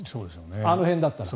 あの辺だったら。